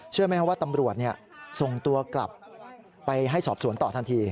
เชื่อไหมครับว่าตำรวจนี่ส่งตัวกลับไปให้สอบสวนต่อทันที